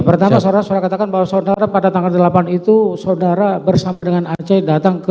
pertama saudara saudara katakan bahwa saudara pada tanggal delapan itu saudara bersama dengan aceh datang ke